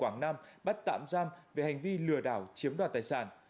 quảng nam bắt tạm giam về hành vi lừa đảo chiếm đoạt tài sản